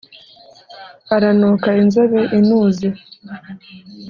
aranuka inzobe inuze